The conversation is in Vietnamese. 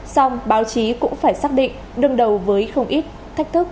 song báo chí cũng phải xác định đương đầu với không ít thách thức